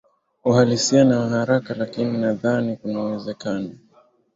ohalisi na wa haraka lakini na dhani kunauwezekano